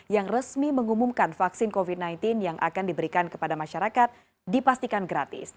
yang resmi mengumumkan vaksin covid sembilan belas yang akan diberikan kepada masyarakat dipastikan gratis